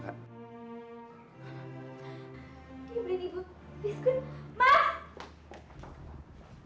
dia beliin ibu biskuit